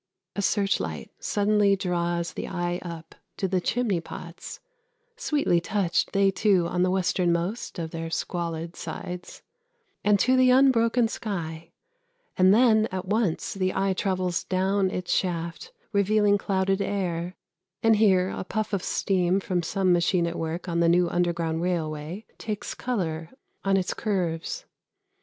A search light suddenly draws the eye up to the chimney pots (sweetly touched, they too, on the westernmost of their squalid sides) and to the unbroken sky; and then at once the eye travels down its shaft, revealing clouded air; and here a puff of steam from some machine at work on the new underground railway takes colour on its curves.